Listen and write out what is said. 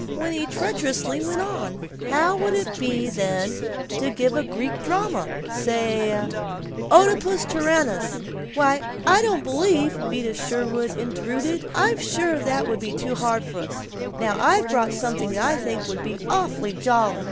when he treacherously went on, "How would it be then to give a Greek drama say 'Oedipus Tyrannus'?" "Why, I don't believe " Vida Sherwin intruded, "I'm sure that would be too hard for us. Now I've brought something that I think would be awfully jolly."